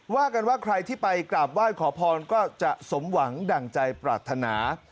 ว่ากันว่าใครที่ไปกราบไหว้ขอพรก็จะสมหวังดั่งใจปรารถนา